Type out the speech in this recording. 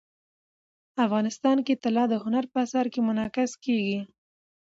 افغانستان کې طلا د هنر په اثار کې منعکس کېږي.